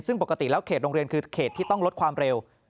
ซึ่งปกติแล้วเขตโรงเรียนคือเขตที่ต้องลดความเร็ว